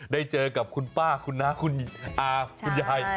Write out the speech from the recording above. ได้เจอกับคุณป้าคุณน้าคุณอาคุณยาย